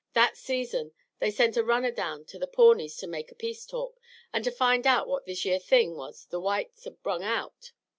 "That season they sent a runner down to the Pawnees to make a peace talk, an' to find out what this yere thing was the whites had brung out.